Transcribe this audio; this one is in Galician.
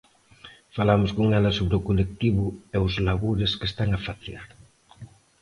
Falamos con ela sobre o colectivo e os labores que están a facer.